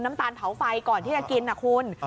น้ำตาลเผาไฟก่อนที่จะกินนะคุณ